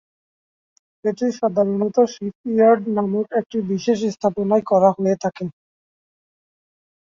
এটি সাধারণত শিপ-ইয়ার্ড নামক একটি বিশেষ স্থাপনায় করা হয়ে থাকে।